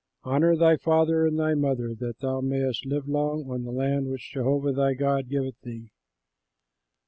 "HONOR THY FATHER AND THY MOTHER, that thou mayest live long on the land which Jehovah thy God giveth thee.